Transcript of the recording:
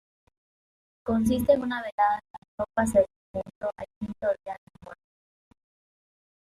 Consiste en una velada de las ropas del difunto, al quinto día de muerto.